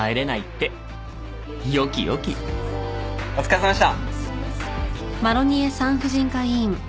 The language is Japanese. お疲れさまでした！